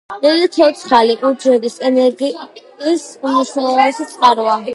იგი ცოცხალი უჯრედის ენერგიის უმნიშვნელოვანესი წყაროა.